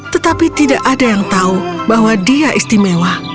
tetapi tidak ada yang tahu bahwa dia istimewa